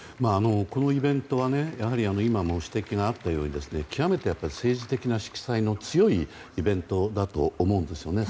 このイベントは今も指摘があったように極めて政治的な色彩の強いイベントだと思うんですよね。